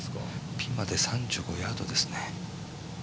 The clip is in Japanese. ピンまで３５ヤードですね。